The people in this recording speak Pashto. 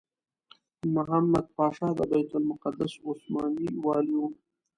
محمد پاشا د بیت المقدس عثماني والي وو.